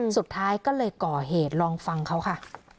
สุดท้ายก็เลยก่อเหตุลองฟังเขาค่ะ